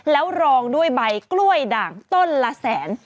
แล้วรองด้วยใบกล้วยด่างต้นละแสน